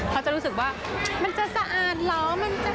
เขาจะรู้สึกว่ามันจะสะอาดเหรอ